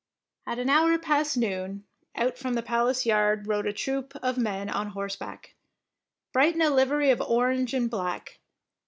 At an hour past noon, out from the palace yard rode a troop of men on horseback, bright in a livery of orange and black.